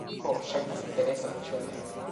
Ho, ŝajnas interesa ĉu ne?